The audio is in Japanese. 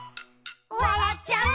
「わらっちゃう」